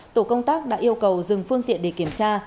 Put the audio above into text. tổ công tác đã yêu cầu dừng phương tiện để kiểm tra